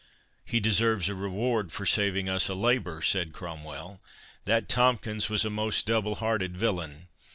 "He deserves a reward for saving us a labour," said Cromwell; "that Tomkins was a most double hearted villain.